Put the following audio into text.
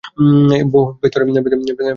বোহ, ভিতরে এসো না।